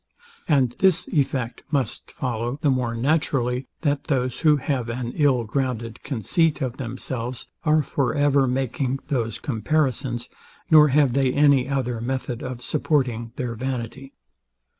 And this effect must follow the more naturally, that those, who have an ill grounded conceit of themselves, are for ever making those comparisons, nor have they any other method of supporting their vanity.